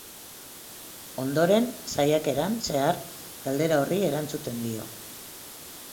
Ondoren, saiakeran zehar, galdera horri erantzuten dio.